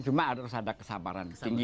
cuma harus ada kesabaran tinggi